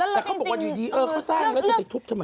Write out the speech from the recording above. แต่เขาบอกว่าอยู่ดีเออเขาสร้างแล้วจะไปทุบทำไม